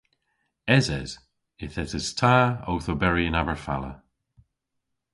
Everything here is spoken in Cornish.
Eses. Yth eses ta owth oberi yn Aberfala.